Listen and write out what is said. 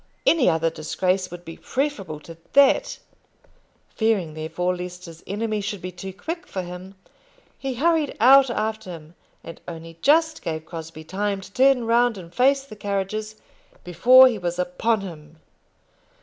Any other disgrace would be preferable to that. Fearing, therefore, lest his enemy should be too quick for him, he hurried out after him, and only just gave Crosbie time to turn round and face the carriages before he was upon him.